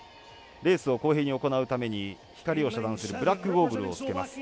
レースを公平に行うために光を遮断するブラックゴーグルをつけます。